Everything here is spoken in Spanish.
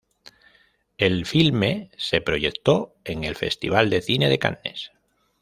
El filme se proyectó en el Festival de cine de Cannes.